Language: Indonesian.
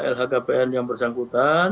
lhkpn yang bersangkutan